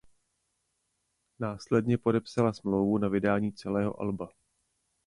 Následně podepsala smlouvu na vydání celého alba.